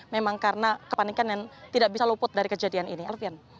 memang karena kepanikan dan tidak bisa luput dari kejadian ini alfian